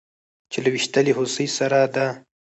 چې له ويشتلې هوسۍ سره د